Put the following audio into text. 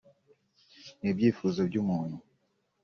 n’ibyifuzo by’umuntu